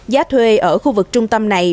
giá thuê ở khu vực trung tâm này